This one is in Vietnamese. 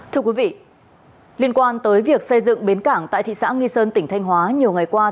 thưa quý vị liên quan tới việc xây dựng bến cảng tại thị xã nghi sơn tỉnh thanh hóa nhiều ngày qua